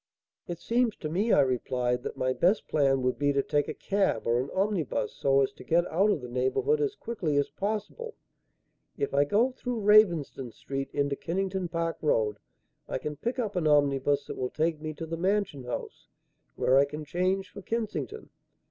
"It seems to me," I replied, "that my best plan would be to take a cab or an omnibus so as to get out of the neighbourhood as quickly as possible. If I go through Ravensden Street into Kennington Park Road, I can pick up an omnibus that will take me to the Mansion House, where I can change for Kensington.